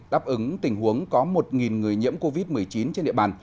đáp ứng tình huống có một người nhiễm covid một mươi chín trên địa bàn